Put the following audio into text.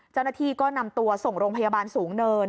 เจ้าหน้าที่ก็นำตัวส่งโรงพยาบาลสูงเนิน